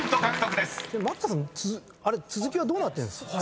あれ続きはどうなってるんですか？